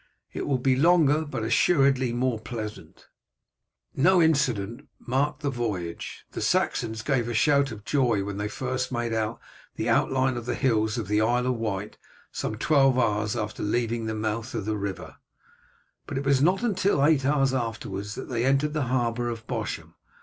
"It will be longer, but assuredly more pleasant." No incident whatever marked the voyage. The Saxons gave a shout of joy when they first made out the outline of the hills of the Isle of Wight, some twelve hours after leaving the mouth of the river; but it was not until eight hours afterwards that they entered the harbour of Bosham.